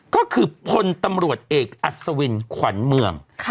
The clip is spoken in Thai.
ก็คือพลตำรวจเอกอัศวินขวัญเมือง